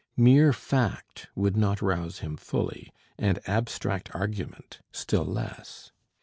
Mere fact would not rouse him fully, and abstract argument still less.